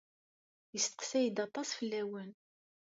Isteqsay-d aṭas fell-awen.